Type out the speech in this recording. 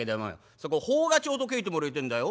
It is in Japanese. そこ『ほうがちょう』と書えてもらいてえんだよ。